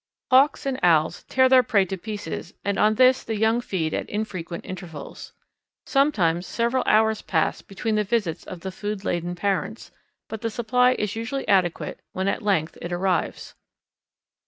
Hawks and Owls tear their prey to pieces and on this the young feed at infrequent intervals. Sometimes several hours pass between the visits of the food laden parents, but the supply is usually adequate when at length it arrives.